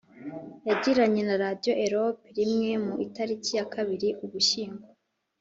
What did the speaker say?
yagiranye na Radiyo Europe rimwe ku itariki ya kabiri Ugushyingo